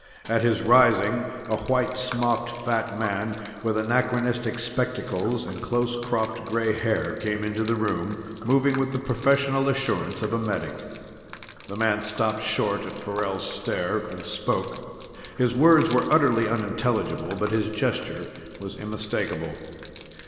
At his rising, a white smocked fat man with anachronistic spectacles and close cropped gray hair came into the room, moving with the professional assurance of a medic. The man stopped short at Farrell's stare and spoke; his words were utterly unintelligible, but his gesture was unmistakable.